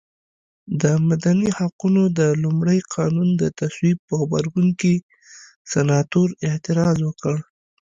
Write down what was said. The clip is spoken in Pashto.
د مدني حقونو د لومړ قانون د تصویب په غبرګون کې سناتور اعتراض وکړ.